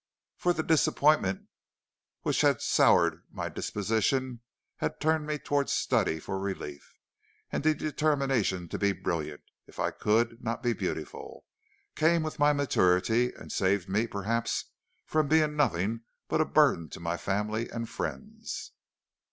For the disappointment which had soured my disposition had turned me towards study for relief, and the determination to be brilliant, if I could not be beautiful, came with my maturity, and saved me, perhaps, from being nothing but a burden to my family and friends.